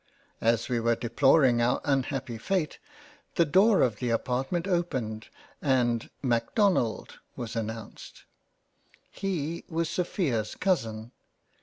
As we were deploring our unhappy fate, the Door of the Apartment opened and " Macdonald " was announced. He was Sophia's cousin.